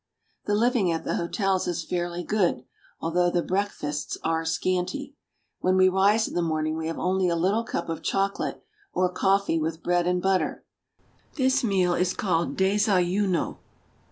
The living at the hotels is fairly good, although the break fasts are scanty. When we rise in the morning we have only a little cup of chocolate or coffee with bread and butter; this meal is called " desayuno."